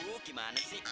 aduh gimana sih